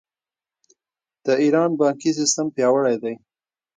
د ایران بانکي سیستم پیاوړی دی.